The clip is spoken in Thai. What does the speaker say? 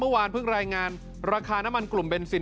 โทษภาพชาวนี้ก็จะได้ราคาใหม่